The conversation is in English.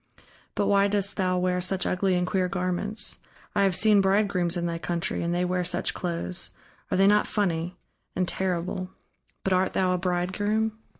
But why dost thou wear such ugly and queer garments? I have seen bridegrooms in thy country, and they wear such clothes are they not funny and terrible.... But art thou a bridegroom?"